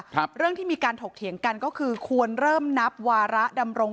ครับเรื่องที่มีการถกเถียงกันก็คือควรเริ่มนับวาระดำรง